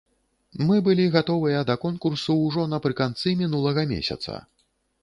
Мы былі гатовыя да конкурсу ўжо напрыканцы мінулага месяца.